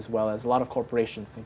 serta banyak korporasi